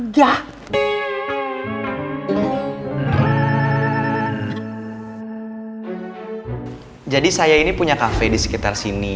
jadi saya ini punya cafe di sekitar sini